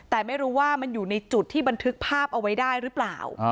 แต่ไม่รู้ว่ามันอยู่ในจุดที่บันทึกภาพเอาไว้ได้หรือเปล่า